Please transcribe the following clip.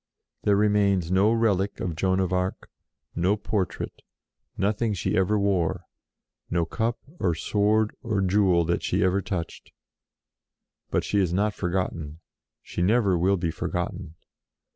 There remains no relic of Joan of Arc ; no portrait, nothing she ever wore, no cup or sword or jewel that she ever touched. But she is not forgotten ; she never will be forgotten.